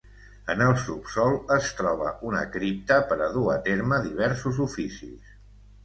En el subsòl es troba una cripta per a dur a terme diversos oficis.